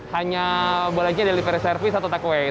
hanya bolehnya delivery service atau takeaway